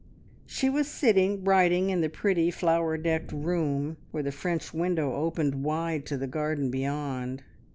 She was sitting writing in the pretty, flower decked room, where the French window opened wide to the garden beyond.